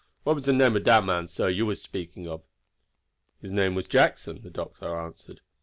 What was de name of dat man, sah, you was speaking of?" "His name was Jackson," the doctor answered.